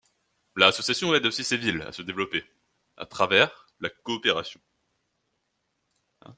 L’association aide aussi ces villes à se développer à travers la coopération.